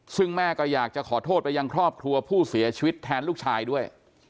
ซึ่งแม่ก็อยากจะขอโทษไปยังครอบครัวผู้เสียชีวิตแทนลูกชายด้วย